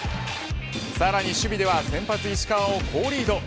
さらに守備では先発、石川を好リード。